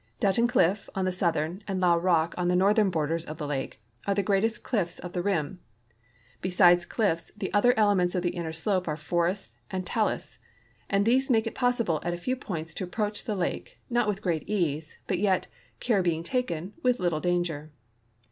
Button cliff, on the south ern, and Llao rock, on the northern, borders of the lake are the greatest cliffs of the rim. Besides cliffs, the other elements of the inner slope are forests and talus, and these make it possible at a few points to approach the lake, not with great ease, but yet, care being taken, with little danger.